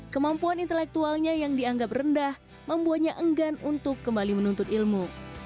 kemampuan intelektualnya yang dianggap rendah membuatnya enggan untuk kembali menuntut ilmu